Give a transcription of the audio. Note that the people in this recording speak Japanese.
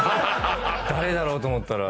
誰だろう？と思ったらＨｅｙ！